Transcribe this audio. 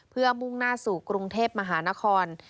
เพื่อมุ่งหน้าสู่กรุงเทพมหานคร